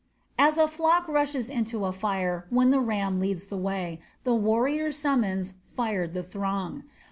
As a flock rushes into a fire when the ram leads the way, the warrior's summons fired the throng.